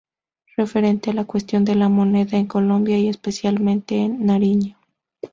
Referente a la cuestión de la moneda en Colombia y especialmente en Nariño.